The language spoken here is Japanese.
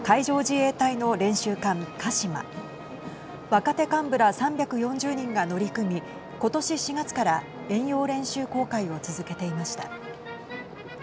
若手幹部ら３４０人が乗り組みことし４月から遠洋練習航海を続けていました。